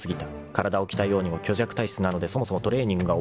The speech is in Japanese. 体を鍛えようにも虚弱体質なのでそもそもトレーニングがおぼつかない］